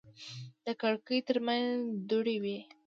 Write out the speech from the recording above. د کړکۍ ترمنځ دوړې وې.